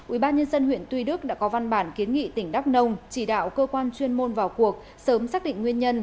ubnd huyện tuy đức đã có văn bản kiến nghị tỉnh đắk nông chỉ đạo cơ quan chuyên môn vào cuộc sớm xác định nguyên nhân